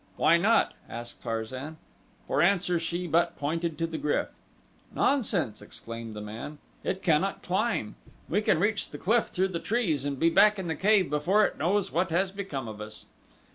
"Why not?" asked Tarzan. For answer she but pointed to the GRYF. "Nonsense!" exclaimed the man. "It cannot climb. We can reach the cliff through the trees and be back in the cave before it knows what has become of us."